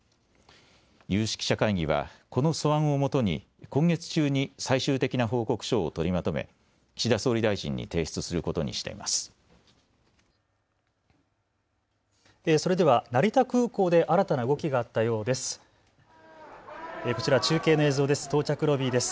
有識者会議はこの素案をもとに今月中に最終的な報告書を取りまとめ岸田総理大臣に提出することにしています。